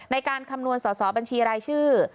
คำนวณสอสอบัญชีรายชื่อ